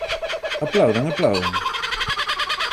Aplaudan, aplaudan.